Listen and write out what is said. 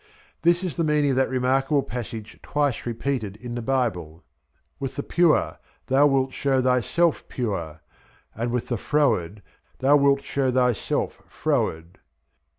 This is the meaning of that remarkable passage twice repeated in the Bible, "With, the pure thou wilt show thyself pure, and with the froward thou wilt show thyself froward."